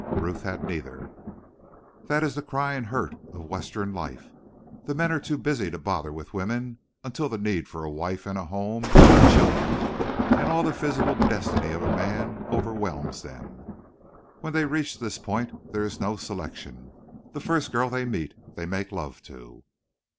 Ruth had neither. That is the crying hurt of Western life. The men are too busy to bother with women until the need for a wife and a home and children, and all the physical destiny of a man, overwhelms them. When they reach this point there is no selection. The first girl they meet they make love to.